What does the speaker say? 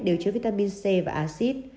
đều chứa vitamin c và acid